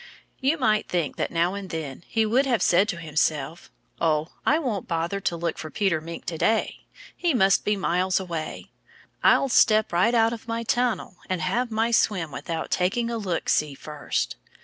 You might think that now and then he would have said to himself, "Oh, I won't bother to look for Peter Mink to day. He must be miles away. I'll step right out of my tunnel and have my swim without taking a look see first."